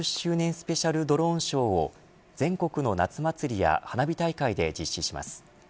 スペシャルドローンショーを全国の夏祭りや花火大会で実施します。